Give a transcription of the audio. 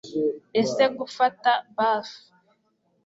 ese gufata bath